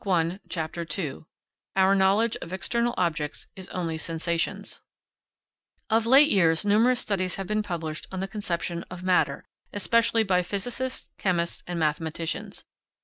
] CHAPTER II OUR KNOWLEDGE OF EXTERNAL OBJECTS IS ONLY SENSATIONS Of late years numerous studies have been published on the conception of matter, especially by physicists, chemists, and mathematicians.